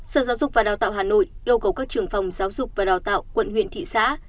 sở giáo dục và đào tạo hà nội yêu cầu các trường phòng giáo dục và đào tạo quận huyện thị xã